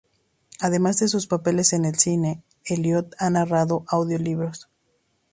Además de sus papeles en el cine, Elliott ha narrado audiolibros.